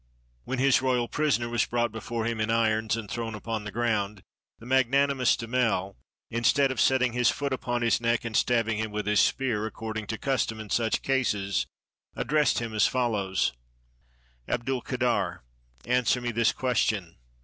When his royal prisoner was brought before him in irons, and thrown upon the ground, the magnanimous Damel, instead of setting his foot upon his neck and stabbing him with his spear, according to custom in such cases, addressed him as follows: "Abdul kader, answer me this question.